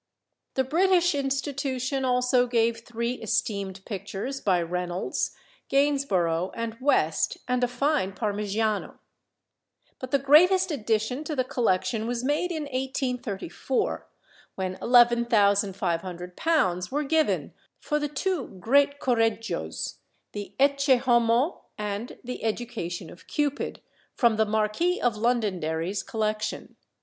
The British Institution also gave three esteemed pictures by Reynolds, Gainsborough, and West, and a fine Parmigiano. But the greatest addition to the collection was made in 1834, when £11,500 were given for the two great Correggios, the "Ecce Homo" and the "Education of Cupid," from the Marquis of Londonderry's collection.